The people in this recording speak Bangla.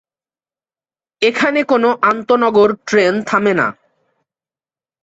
এখানে কোন আন্তঃনগর ট্রেন থামে না।